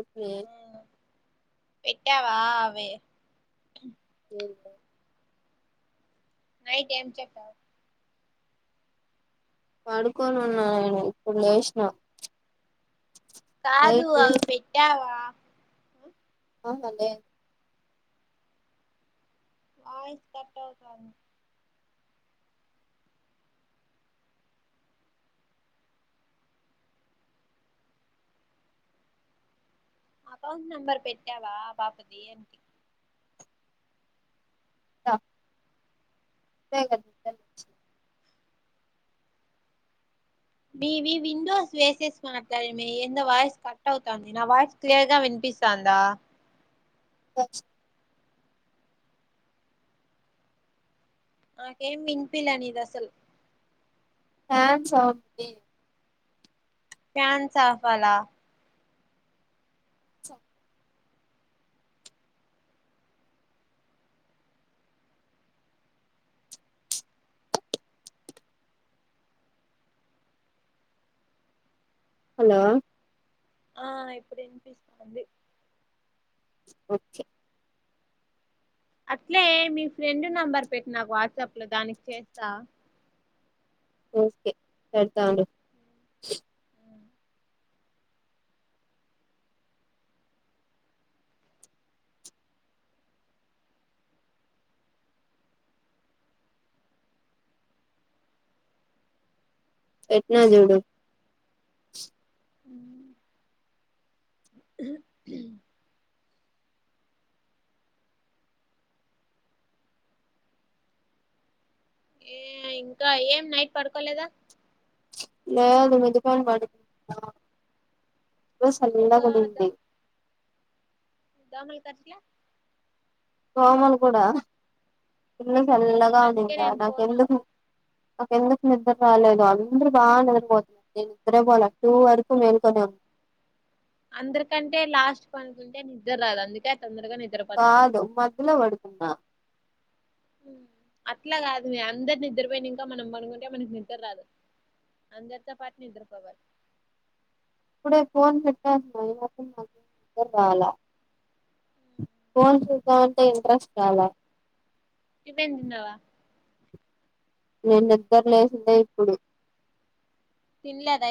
ఎప్పులేే పెట్టావా అవే లే నైట్ ఏం చెప్పావ్ పడుకొని ఉన్నా నేను ఇప్పుడు లేసినా కాదు అవి పెట్టావా అవును అదే వాయిస్ కట్టవుతుంది అకౌంట్ నెంబర్ పెట్టావా పాపది అంటి అ తెగ మీవి విండోస్ వేసేసి మాట్లాడ ఏందో వాయిస్ కట్ అవుతుంది నా వాయిస్ క్లియర్ గా వినిపిస్తుందా [inaudible] నాకేం విన్పిలా నీది అసలు ఫ్యాన్స్ ఆఫ్ చెయ్ ఫ్యాన్స్ ఆపాలా హలో ఆ ఇప్పుడు వినిపిస్తుంది వచ్చే అట్లే మీ ఫ్రెండ్ నెంబర్ పెట్టి నాకు వాట్సాప్ లో దానికి చేస్తా ఓకే పెడతా ఉండు పెట్నా జూడు ఉమ్ ఏ ఇంకా ఏం నైట్ పడుకోలేదా లేదు మిద్దిపైన పడుకున్నా ఇ సల్లాగ ఎందుకు ఉన్నింది దోమలు కర్సెలా దోమలు కూడా కింద చల్లగా అందుకే ఉన్నిందా నేను పోను నాకెందుకు నాకెందుకు నిద్ర రాలేదు అందరూ బాగా నిద్రపోతున్నారు నే నిద్రే పోలే టు వరకు మేల్కొనే ఉన్నా అందరికంటే లాస్ట్ పనుకుంటే నిద్ర రాదు అందుకే తొందరగా నిద్రపోతా నేను కాదు మధ్యలో పడుకున్నా అట్లా కాదు అందరి నిద్రపోయిన ఇంకా మనం పనుకుంటే మనకి నిద్ర రాదు అందరితో పాటు నిద్రపోవాలి ఇప్పుడే ఫోన్ పెట్టాన్నా రాలా ఫోన్ చూసామంటే ఇంట్రెస్ట్ రాలా ఇదేందవా నేను నిగర లేచందే ఇప్పుడు తిన్లేదు అయితే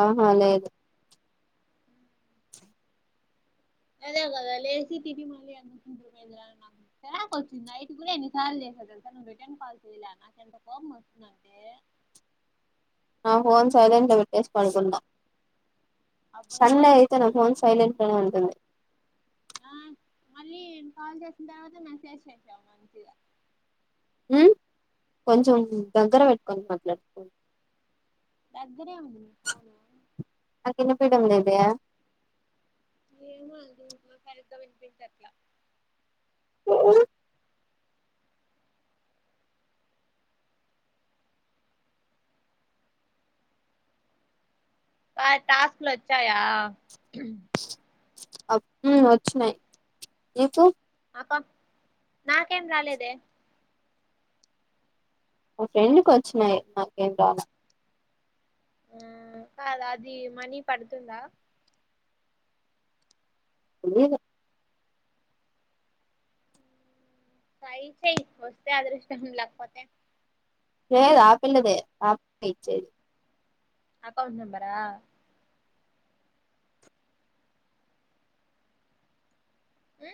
ఆహా లేదు అదే కదా లేచ తి మళ్ళీ అేంద నాకురాక్ వచ్చింది నైట్ కూడా ఎన్ని సార్లు చేసా క రిటర్న్ కాల్సలా నాకు ఎంత కోమ వస్తుందింటే ఆ ఫోన్ సైలెంట్ పెట్టేసి పడుకుందా అప్పుడు సన్నే కాదు అయితే నా నువ్వు మె ఫోన్ సైలెంట్నే ఉంటంటంది ఆ మళ్ళీ కాల్ చేసిన తర్వాత మెసేజ్ చేసాము మంచిగా ఉ కొంచెం దగ్గర పెట్టుకని మాట్లాడుకో దగ్గరే ఉంది పోను కి పీడం లేదయా ఏను అ సరిగా వినిపందిట్లా ఓ టాస్క్ లో వచ్చాయా వచ్చినాయి నికు అ నాకేం రాలేదే ఆ ఫ్రెండ్కి వచ్చినాయి నాకేం రాను ఆ కాద అది మనీ పడుతుందా ఇ కాయి స వస్త ఆ దృష్లాకపోతే సే సా ఆపిలదే అకౌంట్ నంబరా ఏ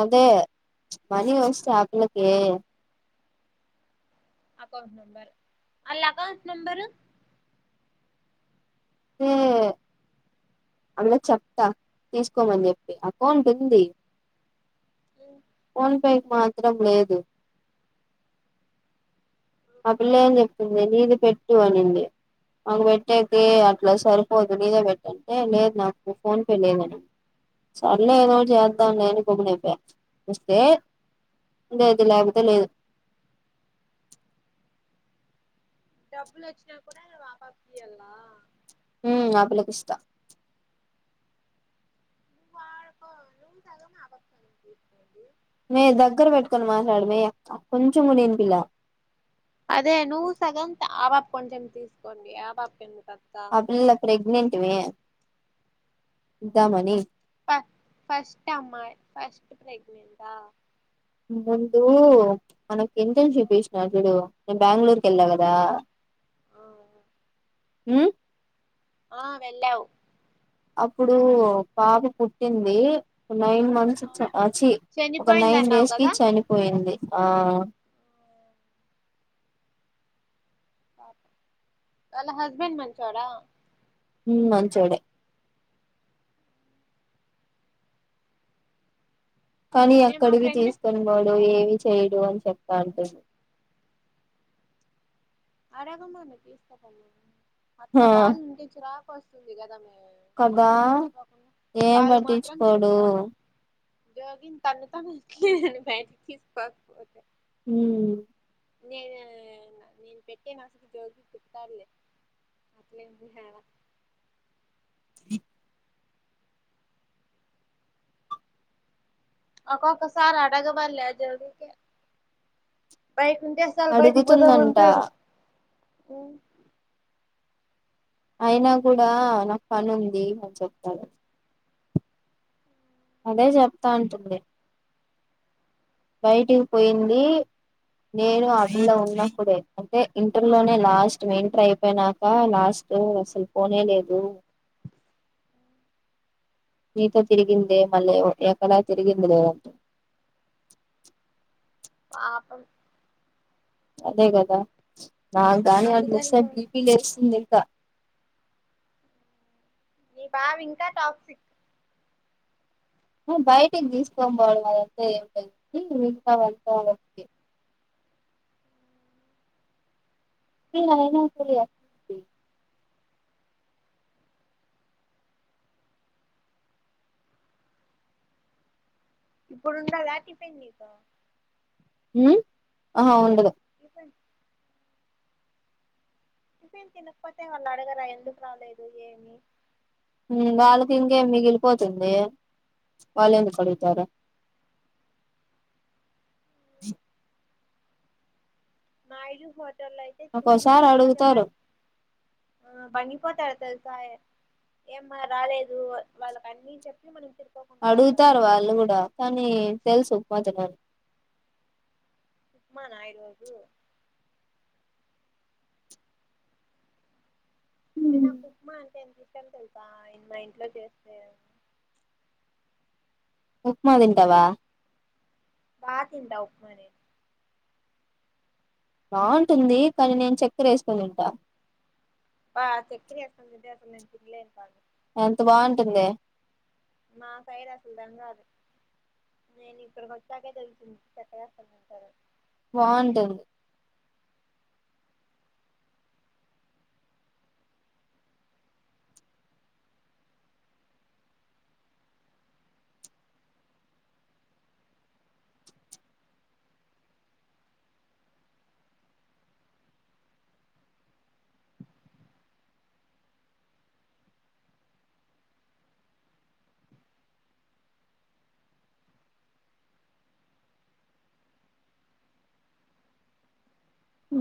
అదే మనీ వస్తాయి ఆ పిల్లాకే అకౌంట్ నంబరు అలా అకౌంట్ నంబరు న అడ చెప్తా తీసుకోమని చెప్పి అకౌంట్ ఉంది అ ఫోన్ పే మాత్రం లేదు ఆ పిల్ల ఏం చెప్పింది నీది పెట్టు అనింది మాకు పెట్టేది అట్లా సరిపోద్దు నీదే పెట్టంటే లేదు నాకు ఫోన్ పే లేదు అనింది సర్లే ఏదోటి చేద్దాం లే అని గమునైపోయ వస్తే ఇంగ లేకపోతే లేదు డబ్బుల్ వచ్చినా కూడా వాపా ఫీలా ఉ ఆప్పులకిష్టా నువ్ ఆకో నువ్ తగ ఆభస తీర్కోడి మే దగ్గర పెట్టుకొని మాట్లాడమే కొంచెం కూడ వినిపియలా అదే నువ్వు సగం ఆ పాప కొంచెం తీసుకోండి ఆ పాప కు ఎందుకు అక్క ఆ పిల్ల ప్రెగ్నెంట్ మే ఇద్దామని ఫ ఫస్ట్ అమ్మా ఫస్ట్ ప్రెగ్నెంటా ముందు మన ఎంత శుభీష్ నాడు వీడు బెంగళూరుకి వెళ్ళా ఆ కదా ఆ అ ఆ వెళ్లావు అప్పుడు పాప పుట్టింది నైన్ మంత్స్ వచ్చి ఒక నైన్ చనిపోయిందన్నావు డేస్ కి కదా చనిపోయింది ఆ వాళ్ళ హస్బెండ్ మంచోడా ఉమ్. మంచోడే కానీ నేను మా ఎక్కడికి ఫ్రెండ్ తీసుకొని పోడ్ నువు ఏమి చేయడు అని చెప్ప అంటుంది అడగమను [unintelligible] ఆ అట్లా వాళ్ళ ఇంటికి రా వస్తుందిగాదా మి కదా ఏం పట్టించుకోడూ జగి త త ప [unintelligible] మ్... నే నేను [unintelligible] పెట్టేనాస జోరుకి కుతలే అట్లేేడం [inaudible] ఒకొక్క సారి ఆడగమనలెగా జరు కి. బ ముందే అస్సలు బయిటికి అడుగుతుందంట పోదామంటడు మ్ అయినా కూడా నాకు పని ఉంది అని చెప్తాడు అదే చెప్తా అంటుంది బయటికి పోయిందీ నేను ఆ పిల్ల ఉన్నప్పుడే అంటే ఇంటర్ లోనే లాస్ట్ ఇంటర్ అయిపోయినాక లాస్ట్ అసలు పోనే లేదు నీతో తిరిగిందె మళ్ళీ ఎక్కడా తిరిగింది లేదంటే పాపం అదే కదా నా గాని వాళ్ అందుకని వస్తె బీపీ లేస్తుంది ఇంకా నీ బావ ఇంకా టాక్సిక్ బయటికి తీసుకొని పోడు [inaudible] అదంతా ఏ మీకా వెళ్తా కే ఇయినా స ఎ [unintelligible] ఇప్పుడు ఉండేదా దాటి పందికా [inaudible] మ్.. ఆ ఉండదు ఏమైంది [unintelligible] నువేం తినకపోతే వాళ్ళడగరా ఎందుకు రాలేదు ఏమి వాళ్ళకి ఇంకేం మిగిలిపోతుంది వాళ్ళు ఎందుకు అడుగుతారు మా ఇజ [unintelligible] అయితే టిఫిన్ ఒక్కోసారి తినకపోతే అడుగుతారు ఆ బండికి పోతన తెలుసా ఏమ్మా రాలేదు వాళ్ళకన్నీ చెప్పి మన ఇద్దరు అడుగుతారు వాళ్ళు కూడా కానీ తెలుసు మదని [inaudible] అమా నాయర్వాజు తినకు ఉప్మా అంటే ఇష్టం తెలుసా ఆయన మా ఇంట్లో చేస్తే ఉప్మాదింటవా బా తింటా ఉప్మానే బావుంటుంది కానీ నేను చక్కెర ఏసుకుని తింటా ఆహ్ చక్కిరసం అక్కేలేంట ఎంత బాగుంటుందే. మా సైడ్ అట్లా ఏం కాదు నేను ఇక్కడికి వచ్చాకే తెలిసింది చెరకు రసం ఉంటాదని. బాగుంటుంది.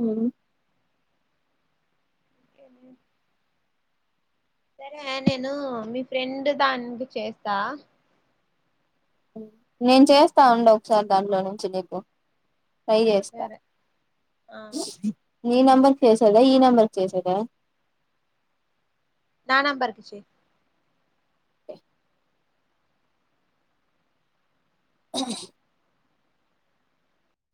ఉమ్ కేమైంది. సరే నేను మీ ఫ్రెండ్ దానికి చేస్తా. నేను చేస్తా ఉండు ఒకసారి దాంట్లో నుంచి నీకు. ట్రై చేస్తా. సరే ఆ నీ నెంబర్ కి చేసెదా ఈ నంబర్ కి చేసెదా. నా నెంబర్కిచేయి. ఓ అ